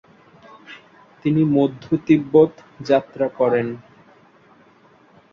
তিনি মধ্য তিব্বত যাত্রা করেন।